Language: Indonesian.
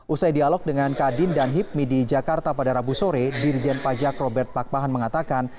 usai dialog dengan kadin dan hipmi di jakarta pada rabu sore dirjen pajak robert pakpahan mengatakan